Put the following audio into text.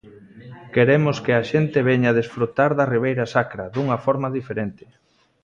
Queremos que a xente veña desfrutar da Ribeira Sacra dunha forma diferente.